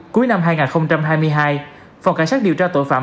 cuối năm hai nghìn hai mươi hai phòng cảnh sát điều tra tội phạm